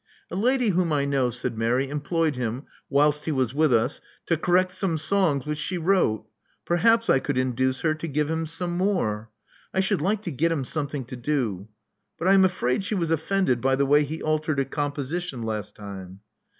A lady whom I know," said Mary, "employed him, whilst he was with ns, to correct ^me songs which she wrote. Perhaps I could induce her to give him some more. I should like to get him something to do. But I am afraid she was offended by the way he altered her composition last time."